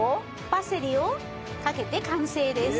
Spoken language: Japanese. パセリをかけて完成です。